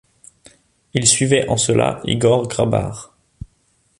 Il suivait en cela Igor Grabar.